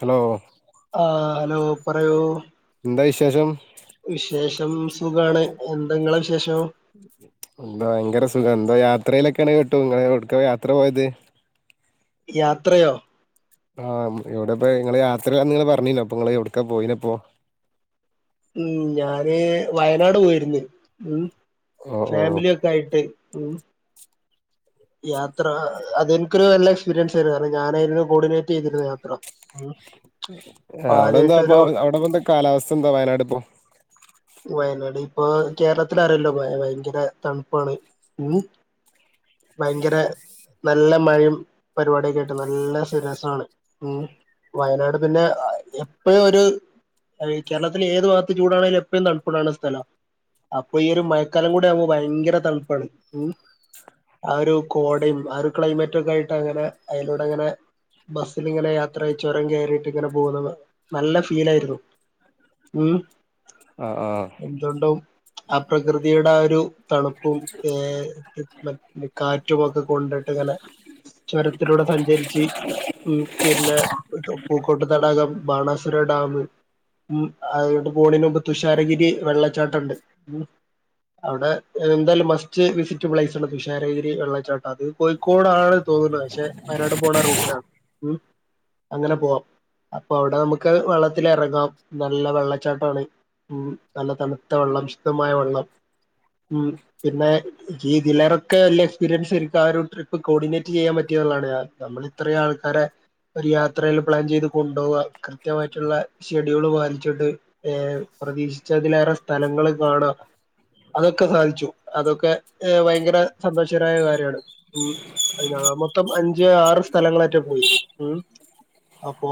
Hello ആഹ് hello പറയൂ എന്താ വിശേഷം വിശേഷം സുഖാണ് എന്താ ഇങ്ങളെ വിശേഷം? എന്താ ഭയങ്കര സുഖംംഎന്താ യാത്രയിലൊക്കെയാണ് കേട്ടു ഇങ്ങൾ എവ്ട്ക്ക യാത്ര പോയത്. യാത്രയോ? ആഹ് എവിടെപ്പ ഇങ്ങള് യാത്രേലാന്ന് നിങ്ങള് പറഞ്ഞിനു അപ്പൊ നിങ്ങള് എവ്ട്ക്ക പോയിനിപ്പോ ഉം ഞാന് വയനാട് പോയിരുന്ന് ഓ ഓ ഫാമിലി ക്കായിട്ട് ഉം യാത്ര അതെനിക്കൊരു നല്ല എക്സ്പീരിയൻസ് ആയിരുന്നു കാരണം ഞാനായിരുന്നു കോർഡിനേറ്റ് ചെയ്തിരുന്നു യാത്ര ഉം ഏഹ് അപ്പൊ അവിടെന്താപ്പ ആദ്യായിട്ടൊരു അവിടെന്താ കാലാവസ്ഥ എന്താ വയനാട്പ്പോ. വയനാട് ഇപ്പൊ കേരളത്തിലറിയല്ലോ ഭയങ്കര തണുപ്പാണ് ഉം ഭയങ്കര നല്ല മഴയും പരിപാടിയൊക്കെ ആയിട്ട് നല്ല സ് രസാണ് ഉം വയനാട് പിന്നെ എപ്പഴും ഒരു ആ ഈ കേരളത്തിൽ ഏത് ഭാഗത്ത് ചൂടാണങ്കിലും എപ്പഴും തണുപ്പുള്ളാണ് സ്ഥലം അപ്പൊ ഈ ഒരു മഴക്കാലം കൂടെ ആമ്പം ഭയങ്കര തണുപ്പാണ് മ് ആ ഒരു കോടയും ആ ക്ലൈമറ്റൊക്കെ ആയിട്ട് അങ്ങനെ അയ്ലൂട അങ്ങനെ ബസ്സിലിങ്ങനെ യാത്രയ്ച്ചൊരം കെയറീട്ട് ഇങ്ങനെ പോകുന്നത് ന്നല്ല ഫീലായിരുന്നു ആഹ് ആഹ് ഉം ന്തോണ്ടും ആ പ്രകൃതിയുടെ ആ ഒരു തണുപ്പും ഏഹ് റിഫ് കാറ്റുമൊക്കെ കൊണ്ട്ട്ട് ഇങ്ങനെ ചൊരത്തിലൂടെ സഞ്ചരിച്ച് മ് പിന്നെ പൂക്കോട്ട് തടാകം ബാണാസുര ഡാമ് മ് അതോട്ട് പോണിൻ്റ മുമ്പ് തുഷാരഗിരി വെള്ളച്ചാട്ടണ്ട് മ് അവിടെ എന്തായാലും മസ്റ്റ് വിസിറ്റ് പ്ലയ്സാണ് തുഷാരഗിരി വെള്ളച്ചാട്ടം അത് കോഴിക്കോടാണ് തോന്ന്ണ് പക്ഷെ വയനാട് പോണ റൂട്ടിലാണ് ഉം അങ്ങനെ പോവാം അപ്പൊ അവ്ടെ ന്നമുക്ക് വെള്ളത്തിലെറങ്ങാം നല്ല വെള്ളച്ചാട്ടാണ് ഉം നല്ല തണുത്ത വെള്ളം ഇഷ്ട്ടമായ വെള്ളം ഉം പിന്നെ ഇതിലേറ കെ എല്ലേ എക്സ്പീരിയൻസ് ഇൻക്കാരും ട്രിപ്പ് കോഡിനേറ്റ് എയ്യാൻ പറ്റിയ ഒന്നാണ് ഞാൻ ന്നമ്മള് ഇത്രയെ ആൾക്കാരെ ഒര് യാത്രയിൽ പ്ലാൻ ചെയ്ത് കൊണ്ടോവ കൃത്യമായിട്ട്ള്ള ഷെഡ്യൂള് പാലിച്ചിട്ട് ഏഹ് പ്രതീക്ഷിച്ചതിലേറെ സ്ഥലങ്ങള് കാണാം അതൊക്കെ സാധിച്ചു അതൊക്കെ ഏഹ് ഭയങ്കര സന്തോഷകരായ കാര്യാണ് ഉം അത് ഞാ മൊത്തം അഞ്ച് ആറ് സ്ഥലങ്ങളാറ്റ് പോയി മ് അപ്പോ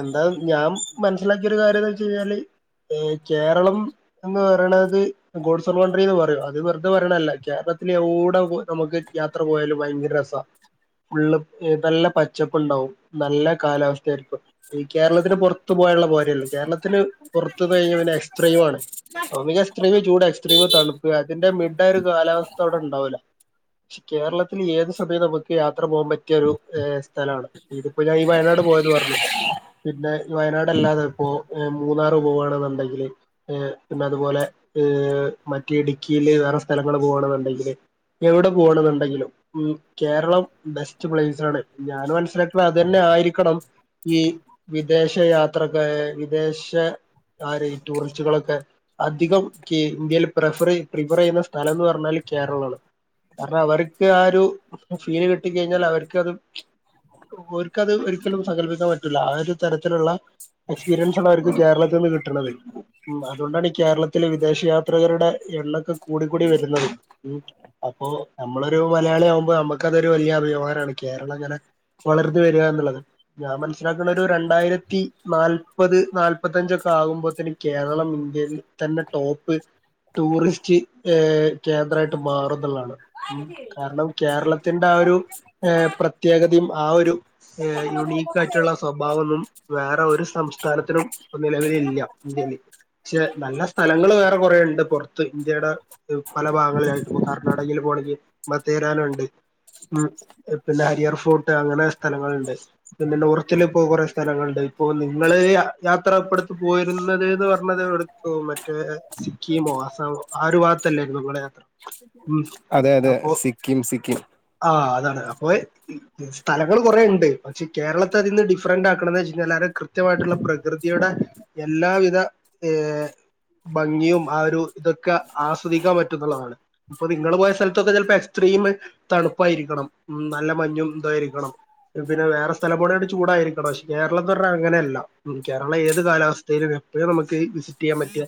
എന്താ ഞാം മനസ്സിലാക്കിയ ഒരു കാര്യംന്ന് വെച്ചഴ്ഞ്ഞാല് ഏഹ് കേരളം എന്ന് പറേണത് ഗോഡ്സ് ഓൺ കൺട്രിന്ന് പറേം അത് വെർതെ പറയ്ണല്ല കേരളത് [unintelligible] പോയ് നമുക്ക് യാത്ര പോയാലും ഭയങ്കര രസാ ഫുള്ളും ഏഹ് നല്ല പച്ചപ്പുണ്ടാവും ന്നല്ല കാലാവസ്ഥ ആയിരിക്കും ഈ കേരളത്തിന് പൊറത്ത് പോയാല്ള്ള പോരെല്ലോ കേരളത്തിന് പൊർത്ത്ന്ന് കഴിഞ്ഞാ പിന്നെ എക്സ്ട്രീമാണ് അപ്പൊ പിന്നെ എക്സ്ട്രീമു ചൂടാ [unintelligible] തണുപ്പ് അതിന്റെ മിഡ് ഒരു കാലാവസ്ഥ അവിടെ ഉണ്ടാവൂല [unintelligible] കേരളത്തിൽ ഏത് സമയം നമുക്ക് യാത്ര പോവാൻപറ്റിയൊരു ഏഹ് സ്ഥലാണ് ഇതിപ്പോ ഞാൻ ഈ വയനാട് പോയത് പർന്നു പിന്നേ ഈ വയനാടല്ലാതെ ഇപ്പോ ഏഹ് മൂന്നാറ് പോവാണെന്നുണ്ടെങ്കില് ഏഹ് പിന്നെ അതുപോലെ [unintelligible] മറ്റേ ഇടുക്കിയില് വേറെ സ്ഥലങ്ങള് പോവാണ് [unintelligible] [unintelligible] എവിടെ പോണ്ന്ന്ണ്ടെങ്കിലും ഉം കേരളം ബെസ്റ്റ് പ്ലയ്സാണ് ഞാന് മനസ്സിലാക്കിട്ടുള്ള അതന്നെ ആയിരിക്കണം ഈ വിദേശയാത്രൊക്കെ വിദേശ ആരേ ഈ ടൂറിസ്റ്റുകളൊക്കെ അധികം കേ ഇന്ത്യയില് പ്രഫറയ് പ്രിഫറ് ചെയ്യുന്ന സ്ഥലംന്ന് പറഞ്ഞാല് കേരളാണ് കാരണം അവർക്ക് ആ ഒരു ഫീല് കിട്ടി കഴിഞ്ഞാൽ അവര്ക്കത് ഓര്ക്കത് ഒരിക്കലും സങ്കല്പിക്കാൻ പറ്റൂല ആ ഒരു തരത്തിലൊള്ള എക്സ്പീരിയൻസാണ് അവര്ക്ക് കേരളത്ത്ന്ന് കിട്ട്ണത് ഉം അതോണ്ടാണ് ഈ കേരളത്തില് വിദേശയാത്രകരുടെ എണ്ണൊക്കെ കൂടി കൂടി വെരുന്നത് ഉം അപ്പോ നമ്മളൊരു മലയാളി ആകുമ്പ നമ്മക്കതൊരു വെല്ല്യ അഭിമാനാണ് കേരളങ്ങനെ വളർന്ന് വരുകാന്നുള്ളത് ഞാൻ മനസ്സിലാക്ക്ണ ഒരു രണ്ടായിരത്തി നാല്പത് നാല്പത്തഞ്ചൊക്കെ ആകുമ്പോത്തേനും കേരളം ഇന്ത്യയിൽ തന്നേ ടോപ്പ് ടൂറിസ്റ്റ്ഏഹ് കേന്ദ്രായി ട്ട് മാറുംന്ന്ള്ളാണ് ഉം കാരണം കേരളത്തിന്റെ ആ ഒരു ഏഹ് പ്രത്യേകതയും ആ ഒരു ഏഹ് യുണീക്ക് ആയിട്ടുള്ള സ്വഭാവൊന്നും വേറെ ഒരു സംസ്ഥാനത്തിനും ഇപ്പം നിലവിലില്ല ഇന്ത്യേല് പക്ഷേ നല്ല സ്ഥലങ്ങള് വേറ കൊറേ ഇണ്ട് പൊർത്ത് ഇന്ത്യയുടെ ദ് പല ഭാഗങ്ങളിലായി കർണ്ണാടകയിൽ പോണെങ്കി മദ്ദേരാനുണ്ട് ഉം പിന്നേ ഹരിഹർ ഫോർട്ട് അങ്ങനെ സ്ഥലങ്ങള്ണ്ട് പിന്നെ നോർത്തില് പോ കൊറെ സ്ഥലങ്ങളിണ്ട് ഇപ്പൊ നിങ്ങള് യാത്ര ഇപ്പൊ അടുത്ത് പോയിരുന്നത് ഏത് പറഞ്ഞത് എ ഓഹ് മറ്റേ സിക്കിമോ ആസാമോ ആ ഒരു ഭാഗത്തല്ലാരുന്നോ നിങ്ങെടെ യാത്ര ഉം അതെ അതെ അപ്പൊ സിക്കിം സിക്കിം ആഹ് അതാണ് അപ്പൊയ് സ്ഥലങ്ങള് കൊറെ ഉണ്ട് പക്ഷെ കേരളത്തെ അതിന്ന് ഡിഫറൻ്റാക്കണെന്ന് വെച്ച് കഴിഞ്ഞാൽ വളരെ കൃത്യവായിട്ടുള്ള പ്രകൃതിയുടെ എല്ലാവിധ ഏഹ് ഭംഗിയും ആ ഒരു ഇതൊക്കെ ആസ്വദിക്കാൻ പറ്റുന്നുള്ളതാണ് അപ്പൊ നിങ്ങള് പോയ സ്ഥലത്തൊക്കെ ചെലപ്പോ എക്സ്ട്രീം തണുപ്പായിരിക്കണം ഉം നല്ല മഞ്ഞും ഇതായിരിക്കണം പിന്നെ വേറെ സ്ഥല പോലെ ചൂടായിരിക്കണം പക്ഷെ കേരളംന്ന് പറഞ്ഞാ അങ്ങനെയല്ല ഉം കേരളം ഏത് കാലാവസ്ഥയിലും എപ്പഴും നമുക്ക് വിസിറ്റ് ചെയ്യാൻ പറ്റിയ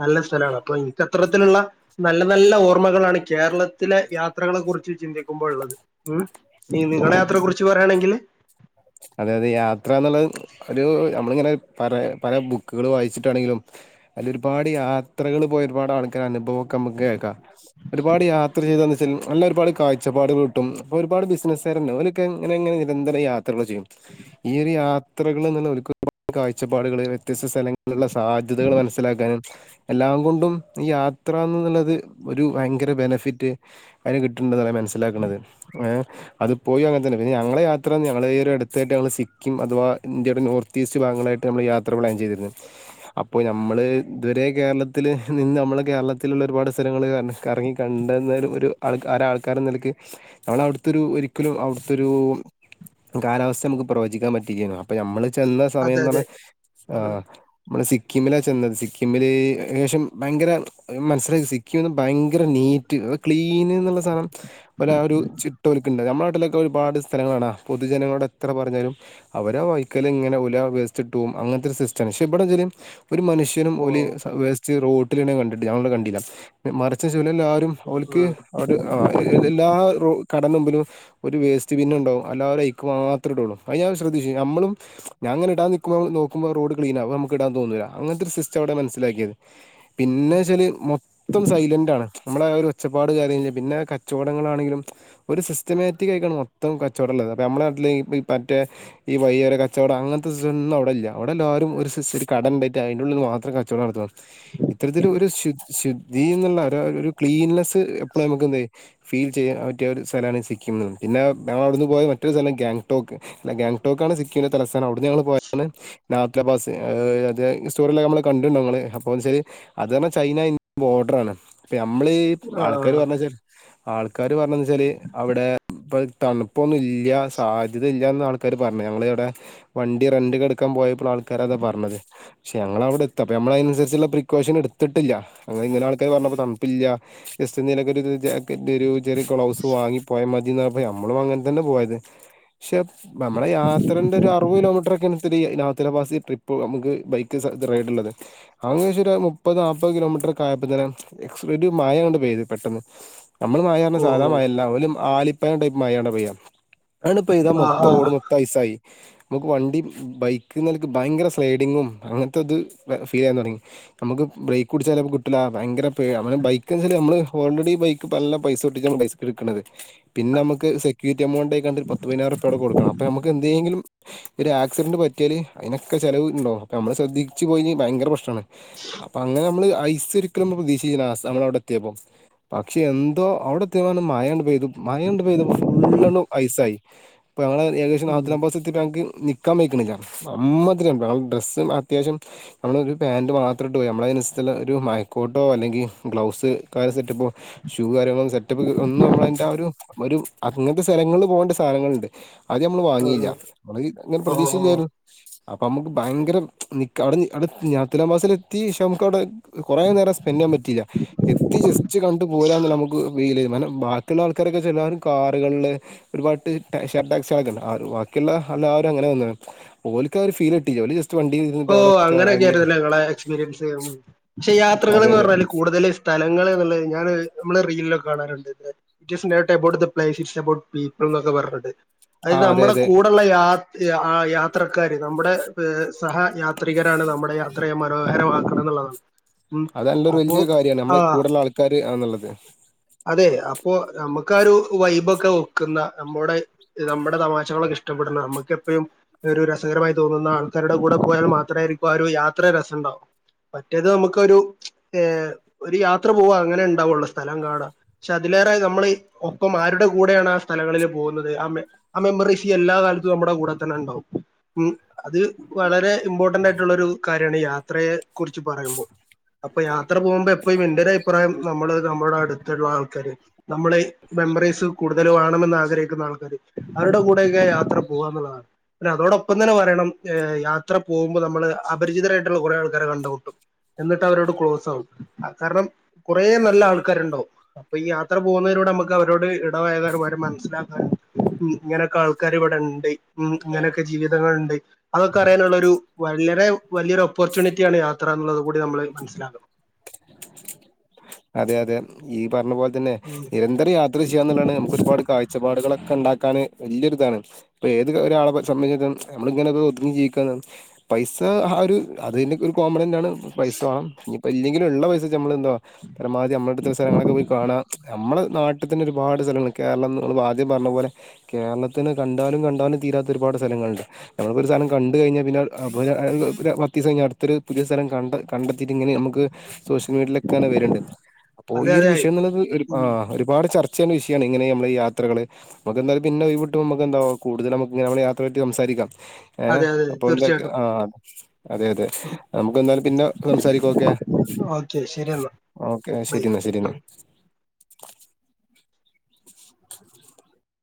നല്ല സ്ഥലാണ് അപ്പൊ എനിക്ക് അത്തരത്തില്ള്ള നല്ല നല്ല ഓർ മ്മകളാണ് കേരളത്തിലെ യാത്രകളെക്കുറിച്ച് ചിന്തിക്കുമ്പോൾ ഒള്ളത് ഉം ഇനി നിങ്ങടെ യാത്രയെക്കുറിച്ച് പറയാണെങ്കില് അതെ അതെ യാത്രന്നുള്ളത് ഒരു നമ്മളിങ്ങനെ പര പല ബുക്കുകള് വായിച്ചിട്ടാണെങ്കിലും അതിലൊരുപാട് യാത്രകള് പോയ ഒരുപാട് ആൾക്കാരെ അനുഭവൊക്കെ നമുക്ക് കേക്കാം ഒരുപാട് യാത്ര ചെയ്താന്ന് വെച്ചാൽ നല്ല ഒരുപാട് കാഴ്ചപ്പാട്കള് കിട്ടും ഇപ്പോ ഒരുപാട് ബിസിനസ്സാരന്നെ ഓല് ക്കെ ഇങ്ങനെയിങ്ങനെ നിരന്തരം യാത്രകള് ചെയ്യും ഈയൊരു യാ ത്രകളിൽ നിന്ന് ഒരുപാട് കാഴ്ചപ്പാടുകള് വ്യത്യസ്ത സ്ഥലങ്ങളിലുള്ള സാധ്യതകള് മനസ്സിലാക്കാനും എല്ലാം കൊണ്ടും ഈ യാത്രായെന്നന്നുള്ളത് ഒരു ഭയങ്കര ബെനഫിറ്റ് അതിന് കിട്ടുന്നുണ്ടെന്നാണ് മനസിലാക്കണത് ഏഹ് അത് പോയി അങ്ങനെ തന്നെ പിന്നെ ഞങ്ങള് യാത്രയെന്ന് ഞങ്ങള് ഈയൊരട ത്തായിട്ട് നമ്മൾ സിക്കിം അഥവാ ഇന്ത്യയുടെ നോർത്ത് ഈസ്റ്റ് ഭാഗങ്ങളിലായിട്ട് നമ്മെള് യാത്ര പ്ലാൻ ചെയ്തിരുന്നു അപ്പോ നമ്മള് ഇതുവെരെ കേരളത്തില് നിന്ന് നമ്മള് കേരളത്തിലുള്ള ഒരുപാട് സ്ഥലങ്ങള് കൺ കറങ്ങി കണ്ടെന്ന ഒരു ആൾക്ക് ആരാ ആൾക്കാരെന്ന നിലക്ക് നമ്മെള് അവിടെത്തൊരു ഒരിക്കലും അവിടെത്തൊരു കാലാവസ്ഥ നമുക്ക് പ്രവചിക്കാൻ പറ്റില്ലെന്നു അപ്പൊ ഞമ്മള് ചെന്ന സമയം അതെ ന്ന് അതെ പറഞ്ഞാൽ ആഹ് നമ്മെള് സിക്കിമിലാ ചെന്നത് സിക്കിമില് ഏകദേശം ഭയങ്കര മനസ്സിലാക്കി സിക്കീമ് വന്ന് ഭയങ്കര നീറ്റ് ക്ലീന് ന്നുള്ള സാനം ഒരാ ഒരു ചിട്ടോലക്കുണ്ട് നമ്മടെ നാട്ടിലൊക്കെ ഒരുപാട് സ്ഥലങ്ങളാണ് പൊതുജനങ്ങളുടെ എത്ര പറഞ്ഞാലും അവരാ വഴിക്കല് ഇങ്ങനെ ഉലാ വേസ്റ്റിട്ടും അങ്ങനെത്തെ ഒരു സിസ്റ്റണ് പക്ഷെ ഇവെടതല് ഒരു മനുഷ്യനും ഓല് ഓ വേസ്റ്റ് റോട്ടിലിട്ണെ കണ്ടിട്ടില്ല ഞങ്ങളവിടെ കണ്ടില്ല മറിച്ച് വല് എല്ലാരും ഉം ഓൽക്ക് ഉം അവെട് ആ എല്ലാ റോ കട മുമ്പിലും ഒരു വേസ്റ്റ് ബിന്നൊണ്ടാവും അല്ലാരുയ്ക്കും മാ ഇത്രയിടൊള്ളോ അത് ഞാൻ ശ്രദ്ധിച്ചു ഞമ്മളും ഞാനങ്ങനെ ഇടാ നിക്കുമ്പോ നോക്കുമോ റോഡ് ക്ലീനാവും നമുക്ക് ഇടാൻ തോന്നൂല അങ്ങനെത്തൊരു സിസ്റ്റമവിടെ മനസിലാക്കിയത് പിന്നെച്ചാല് മൊത്തം സൈലെന്റാണ് നമ്മളാ ആ ഒരു ഒച്ചപ്പാട് കാര്യല്ല പിന്നെ കച്ചോടങ്ങളാണെങ്കിലും ഒരു സിസ്റ്റമാറ്റിക് ആയിക്കാണ് മൊത്തം കച്ചോടം ഒള്ളത് അപ്പ നമ്മെളെ നാട്ടില് ഈ മറ്റേ ഈ വയിയോര കച്ചോടം അങ്ങനെത്തെ സിസ്റ്റയൊന്നും അവിടില്ല അവെടെല്ലാരും ഒരു സിസ്റ്റ് ഒരു കടയൊണ്ടായിട്ട് അയിന്റുള്ളി മാത്രം ക ച്ചോടം നടത്തുവാ ഇത്തരത്തിൽ ഒരു ശു ശുദ്ധീന്നുള്ള ഒര ഒരു ക്ലീൻലെസ്സ് എപ്പളാ നമുക്കെന്തായി ഫീൽ ചെയ്യാൻ പറ്റിയായൊരു സ്ഥലമാണ് സിക്കിമെന്ന് പിന്നെ ഞങ്ങെളവിടുന്ന് പോയ മറ്റൊരു സ്ഥലം ഗ്യാങ് ടോക്ക് അല്ല ഗാംങ്ടോക്കാണ് സിക്കിവിന്റെ തലസ്ഥാനം അവിടെന്ന് ഞങ്ങള് പോയാണ് നാപ്റ്റോപ്പാസ് അത് സ്റ്റോറിലെക്കെ നമ്മെള് കണ്ടുണ്ട് നിങ്ങള് അപ്പോളെന്ന് വെച്ചാല് അത് പറഞാ ചൈന ഇൻ ബോർഡെറാണ് അപ്പ നമ്മെള് ഈ ആൾക്കാര് ആഹ് പറഞ്ഞവെച്ചാല് ആൾക്കാര് പറയന്ന വെച്ചാല് അവെടെയിപ്പം തണുപ്പൊന്നും ഇല്ല്യാ സാ ഇതില്യാന്ന് ആൾക്കാര് പറഞ്ഞത് ഞങ്ങളവിടെ വണ്ടി റെന്റക്കെടുക്കാൻ പോയപ്പോൾ ആൾക്കരതാ പറഞ്ഞത് പക്ഷെ ഞങ്ങളവിടെ എത്തി അപ്പ നമ്മെള് അതനുസരിച്ചൊളള പ്രിക്കോഷൻ എടുത്തിട്ടില്ല അത് ഇങ്ങനെ ആൾക്കാര് പറഞ്ഞപ്പോ തണപ്പില്ല്യാ ജസ്റ്റ് നിനക [unintelligible] ഇതൊരു ചെറിയ ഗ്ലൗസ്സ് വാങ്ങി പോയ മതിന്ന് പറഞ്ഞപ്പോ നമ്മളും അങ്ങനെ തന്നെ പോയത് പക്ഷെ നമ്മെടെ യാത്രേന്റെ ഒരു അറുപത് കിലോമീറ്ററൊക്കെയെത്തിരി നാഥുലാ പാസ ട്രിപ്പ് നമുക്ക് ബൈക്ക് സ റെയ്ഡുണ്ടലത് അതു പക്ഷേ ഒരു മുപ്പത് നാപത് കിലോമീറ്ററൊക്കെ ആയപ്പതേനും എക്സ്ക്യൂട്ടിവ് മഴയങ്ങോട്ട് പെയ്ത് പെട്ടെന്ന് നമ്മള് മഴ പറഞ്ഞാ ഓ സാധാ മായല്ലഓല് ആലിപ്പയടൈപ് മഴണ്പെയ്യാ ആഹ് ആഹ് പെയ്താമൊത്തറോഡും മൊത്തം ഐസായി മുക്ക് വണ്ടി ബൈക്ക്നിലക്ക് ബയങ്കര സ്ലൈഡിങ്ങും അങ്ങനത്തെത് ഫീല യാതൊടങ്ങി നമ്മക്ക് ബ്രേകുടിച്ചാലും കിട്ടില്ല ഭയങ്കര പേ ബൈക്കുന്നച്ച മ്മള് ഓൾറെഡി ബൈക്ക് നല്ല പൈസ [unintelligible] തൊട്ട നമ്മ പൈസ എടുക്കണത് പിന്നെ മ്മക്ക് സെക്യൂരിറ്റിമൗഡായികാണ്ട് പത്ത് പയിനായിരുപ്യ അവിടെ കൊടുക്കണം അപ്പൊ മ്മക്ക് എന്തെങ്കിലും ഒരുആക്സിഡന്റ് പറ്റിയാല് അയിനൊക്കെ ചെലവ്ണ്ടാവും അപ്പോ നമ്മള് ശ്രദ്ധിച്ച് പോയില്ലെങ്കി ഭയങ്കര പ്രശ്നണ് അപ്പൊ അങ്ങനെമ്മള് ഐസരിക്കലും മ പ്രതീക്ഷയി ലാസ്റ്റ് നമ്മളവിടെത്തിയപ്പോ പക്ഷെ എന്തോ അവിടെ എത്തിപ്പൊ മയണ്ട് പെയ്തു മയണ്ട് പെയ്തു ഫുള്ളണം ഐസായിപ്പ [unintelligible] ഉം തിട്ട് ഞങ്ങക്ക് നികവെയ്ക്കിനില്ല അമ്മാതിരി തണുപ്പാണ് ഡ്രസ്സ്‌ അത്യാവിശ്യം നമ്മള് ഒരു പാന്റ് മാത്രട്ട് പോയി നമ്മള അയിനനുസരിച്ചുള്ള ഒരു മയക്കോട്ടോ അല്ലെങ്കിൽഗ്ലൗസ് കാെ സെറ്റപ്പോ ഷൂ കാര്യങ്ങളും സെറ്റപ്പ്ക്ക്‌ ഒന്നും മ്മള അയിന്റ രു അങ്ങനത്തെ സ്ഥലങ്ങളി ൽ പോവണ്ട സ്ഥലങ്ങളുണ്ട് അത് നമ്മള് വാങ്ങിയില്ല മ്മള് ങ്ങനെ ആ ഓ ഓ പ്രതീക്ഷില്ലായിരുന്നു അപ്പൊ മ്മക്ക് ഭയങ്കര നിക്ക അവിടെവിടെ ഞാത്തിലാബസിലെത്തി ഇശാമുക്കോട് കുറെ നേരം സ്പെന്റ്യ്യാൻ പറ്റില്ല എത്തി ജസ്റ്റ് കണ്ടു പോരാനുള്ളമ്മക് ഫീൽ ചെയും കാരണം ബാ മറ്റുള്ള ആൾക്കാരൊക്കെ ചിലര് കാറുകളില് ഒരുപാട് [unintelligible] ബാക്കിള്ള എല്ലാരും അങ്ങനെ വന്ന്‌ണ് ഒൽക്ക് അത് ഒരു ഫീൽ കിട്ടീല്ല ഓല് ജെസ്റ്റ് ഓ അങ്ങനെയൊക്കെയായിരുന്നല്ലേ നി ങ്ങളെ എക്സ്പീരിയൻസ് പക്ഷേ അതെ യാത്രകൾന്ന് അതെ പറഞ്ഞാല് കൂടുതല് സ്ഥലങ്ങളന്നുള്ളത് ഞാന് നമ്മള് റീ ലൊക്കെ കാണാറുണ്ട് [unintelligible] എബൌട്ട് പീപ്പിൾ എന്നൊക്കെ പറഞ്ഞാണ്ട് അത് ആ അതെ നമ്മടെ അതെ കൂടെള്ള യാത്രക്കാര് നമ്മടെ സഹ യാത്രികരാണ് നമ്മടെ യാത്രയെ മനോഹരമാക്കണന്നുള്ളതാണ്. അതല്ലരു വലിയൊരു കാര്യണ് നമ്മളെ കൂടെള്ള ആൾക്കാര് ആണ് എന്നുള്ളത് അതെ അപ്പോ നമ്മക്കൊരു വൈബൊക്കെ വെക്കുന്ന നമ്മോടെ നമ്മടെ തമാശകളൊക്കെ ഇഷ്ടപ്പെടുന്ന നമുക്കെപ്പഴും ഒരു രസകരമായി തോന്നുന്ന ആൾക്കാരുടെ കൂടെ പോയാൽ മാത്ര യിരിക്കും ആ ഒരു യാത്ര രസണ്ടാവ. മറ്റേത് നമ്മക്കൊരു ഒരു യാത്ര പോവാ അങ്ങനെണ്ടാവോള് സ്ഥലം കാണാ പക്ഷേ അതിലേറെ നമ്മള് ഒപ്പം ആരുടെ കൂടെയാണആ സ്ഥലങ്ങളില് പോകുന്നത് ആ ആ മെമ്മറിസി എല്ലാ കാലത്തും നമ്മടെ കൂടെ തന്നെണ്ടാവും മ് അത് വളരെ ഇമ്പോർട്ടന്റായിട്ട് ഉള്ളരു കാര്യാണ് ഈ യാത്രയെ കുറിച്ച് പറയുമ്പോൾ അപ്പൊ യാത്ര പോകുമ്പോ എപ്പഴും എന്റെര് അഭിപ്രായം നമ്മള് നമ്മടെ അടുത്ത്‌ ഉള്ള ആൾക്കാര് നമ്മളെ മെമ്മറീസ് കൂടുതലുവേണമെന്ന് ആഗ്രഹിക്കുന്ന ആൾക്കാര് അവരുടെ കൂടെയൊക്കെ യാത്ര പോവ എന്നുള്ളതാണ്. പിന്നെ അതോടൊപ്പം തന്നെ പറയണം യാത്ര പോകുമ്പോനമ്മള് അപരിചിതരായിട്ടുള്ള കുറെ ആൾക്കാരെ കണ്ടുമുട്ടും. എന്നിട്ടവരോട് ക്ലോസാവും കാരണം കുറെ നല്ല ആൾക്കാരുണ്ടാവും അപ്പൊ ഈ യാത്ര പോവുന്നതിലൂടെ മ്മക്കവരോട് ഇടപയകാനും അവരെ മനസ്സിലാക്കാനും ഉം ഇങ്ങനൊക്കെൾക്കാര് ഇവിടെണ്ട് മ്മ് ഇങ്ങനെയൊക്കെ ജീവിതങ്ങള്ണ്ട് അതൊക്കെ അറിയാനുള്ളരു വളരെ വലിയൊരു ഒപ്പർച്യൂണിറ്റിയാണ് യാത്ര എത്രന്നുകൂടി നമ്മള് മനസ്സിലാകണം അതെ അതെ ഈ പറഞ്ഞ പോലെ തന്നെ ഉം നിരന്തരം യാത്ര ചെയ്യാന്നുള്ളതാണ് നമുക്കൊരുപാട് കാഴ്ച ഒച്ചപ്പാടുകളൊക്കെണ്ടാക്കാന് വലിയൊരിതാണ് ഇപ്പൊ ഏത് ഒരാളെ സംബന്ധിച്ചി നമ്മള ഇങ്ങനെ ഒതുങ്ങി ജീവിക്കാണ് പൈസ ആ ഒരു അതൊരു കോമണന്നാ ണ് പൈസ ഇനിയിപ്പോ ഇല്ലെങ്കിലും ഉള്ള പൈസക്ക് നമ്മള് എന്താ പരമാവധി നമ്മടെ അടുത്തുള്ള സ്ഥലങ്ങളൊക്കെ പോയി കാണാ നമ്മള നാട്ടി തന്നെ ഒരുപാട് സ്ഥല കേരളം നമ്മൾ ആദ്യം പറഞ്ഞ പോലെ കേരളത്തിന് കണ്ടാലും കണ്ടാലും തീരാത്ത ഒരുപാട് സ്ഥലങ്ങളുണ്ട് നമുക്ക് ഒരു സ്ഥലം കണ്ട് കഴിഞ്ഞാൽ പിന്നേ ആ ഒരു പത്തീസം കഴിഞ്ഞാൽ അടുത്ത ഒരു പുതിഴ ഒരു സ്ഥലം കണ്ടതിട്ട് ഇങ്ങനെ നമ്മക്ക് സോഷ്യൽ മീഡിയിലൊക്കെവരണ്ട് അപ്പൊ അതെ ഈ ഒരു അതെ വിഷയംന്നുള്ളത് ഒരു ഉം ഒരുപാട് ചർച്ച ചയ്യേണ്ട വിഷയണ് ഇങ്ങനെ നമ്മള് യാത്രകള് നമുക്ക്ന്തായാലും പിന്നെ ഒഴിവിട്ടുമ്പോ മ്മക്ക് എന്ത കൂടുതൽ നമ്മക്ക് യാത്രയേ പറ്റി സംസാരിക്കാം ഏ അതെ അതെ അപ്പൊ എന്തെയ തീർച്ചയായിട്ടും ആ അതെ അതെ നമുക്കന്താ പിന്നെ സംസാരിക്ക ഓക്കേ [inaudible] എന്നാ ഓക്കെ ബൈ ശരിന്നാ ശരിന്നാ